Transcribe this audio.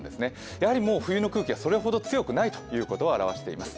やはりもう冬の空気はそれほど強くないということを表しています。